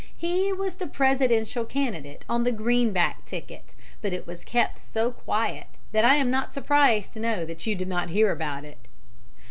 He was the Presidential candidate on the Greenback ticket, but it was kept so quiet that I am not surprised to know that you did not hear about it.